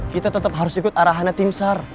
kita tetap harus ikut arahannya tim sar